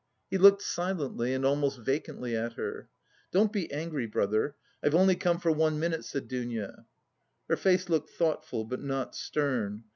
He looked silently and almost vacantly at her. "Don't be angry, brother; I've only come for one minute," said Dounia. Her face looked thoughtful but not stern.